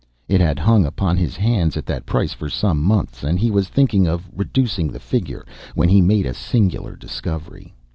It had hung upon his hands at that price for some months, and he was thinking of "reducing the figure," when he made a singular discovery.